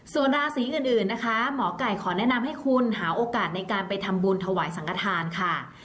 ส่วนราศีอื่นนะคะหมอไก่ขอแนะนำให้คุณหาโอกาสในการไปทำบุญถวายสังกฐานค่ะ